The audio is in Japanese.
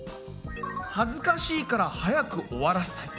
はずかしいからはやく終わらせたい。